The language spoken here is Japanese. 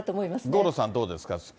五郎さん、どうですか。